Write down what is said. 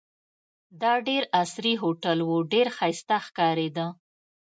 دا ډېر عصري هوټل وو، ډېر ښایسته ښکارېده.